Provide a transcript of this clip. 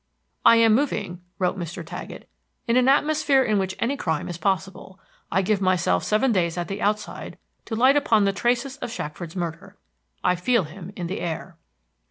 "I am moving," wrote Mr. Taggett, "in an atmosphere in which any crime is possible. I give myself seven days at the outside to light upon the traces of Shackford's murder. I feel him in the air."